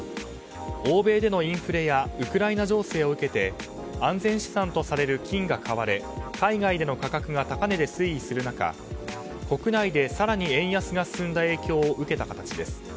欧米でのインフレやウクライナ情勢を受けて安全資産とされる金が買われ海外での価格が高値で推移する中、国内で更に円安が進んだ影響を受けた形です。